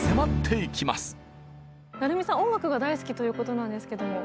音楽が大好きということなんですけども。